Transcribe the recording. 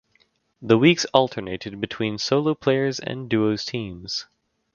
The weeks alternated between solo players and duos teams.